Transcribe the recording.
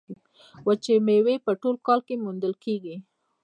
وچې میوې په ټول کال کې موندل کیږي.